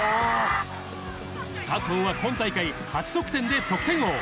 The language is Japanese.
佐藤は今大会、８得点で得点王。